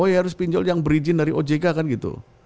oh ya harus pinjol yang berizin dari ojk kan gitu